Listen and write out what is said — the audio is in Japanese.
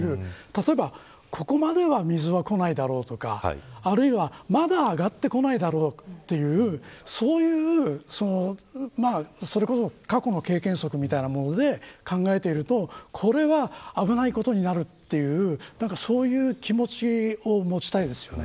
例えば、ここまでは水はこないだろうとかあるいは、まだ上がってこないだろうというそういう、それこそ過去の経験則みたいなのもので考えているとこれは危ないことになるというそういう気持ちを持ちたいですよね。